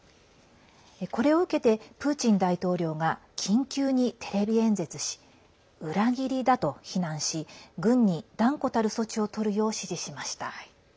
これを受けてプーチン大統領が緊急にテレビ演説し裏切りだと非難し軍に断固たる措置をとるよう指示しました。